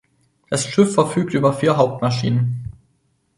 Das Schiff verfügt über vier Hauptmaschinen.